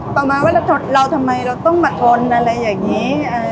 ประมาณว่าเราทำไมเราต้องมาทนอะไรอย่างนี้